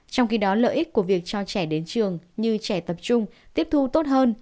trong khi đó lợi ích của việc cho trẻ đến trường như trẻ tập trung tiếp thu tốt hơn